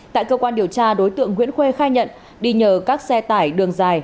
tại cơ quan điều tra đối tượng nguyễn khuê khai nhận đi nhờ các xe tải đường dài